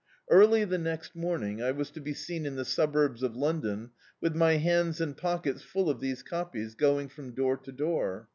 Early the next morning I was to he seen in the suburbs of IjM' don, with my hands and pockets full of these copies, going from door to door.